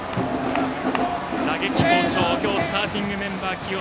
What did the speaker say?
打撃好調、今日スターティングメンバー起用